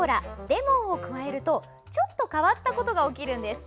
レモンを加えるとちょっと変わったことが起きるんです。